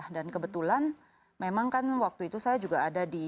dan kebetulan memang kan waktu itu saya juga ada di